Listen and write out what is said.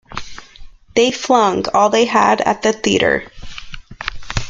They flung all they had at the theatre.